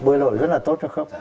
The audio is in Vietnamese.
bơi lội rất là tốt cho khớp